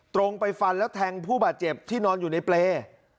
ตรงไปฟันแล้วแทงผู้บาดเจ็บที่นอนอยู่ในเปรย์